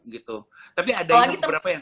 gitu tapi ada yang beberapa yang